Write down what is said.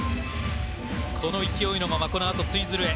この勢いのままこのあとツイズルへ。